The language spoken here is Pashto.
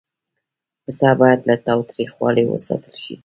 پسه باید له تاوتریخوالي وساتل شي.